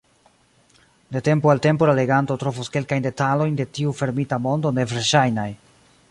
De tempo al tempo la leganto trovos kelkajn detalojn de tiu fermita mondo neverŝajnaj.